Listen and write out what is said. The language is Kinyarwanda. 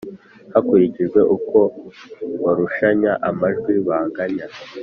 Hakurikijwe Uko Barushanya Amajwi Banganya